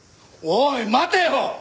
おい待てよ！